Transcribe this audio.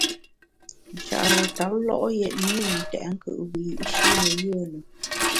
Nchare ntap lo’ yètne yi ntèt nkùt wiyi’shi ne yùe lùm.